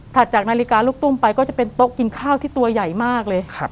จากนาฬิกาลูกตุ้มไปก็จะเป็นโต๊ะกินข้าวที่ตัวใหญ่มากเลย